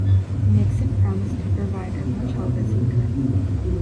Nixon promised to provide as much help as he could.